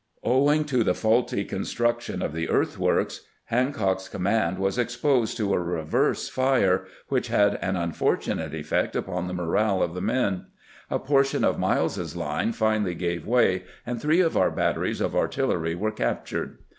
Owing to the faulty construction of the earthworks, Hancock's command was exposed to a reverse fire, which had an unfortunate effect upon the 282 CAMPAIGNING WITH GRANT morale of the men. A portion of Miles's line finally gave way, and three of our batteries of artillery were captured.